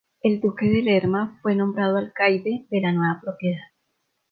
El duque de Lerma fue nombrado alcaide de la nueva propiedad.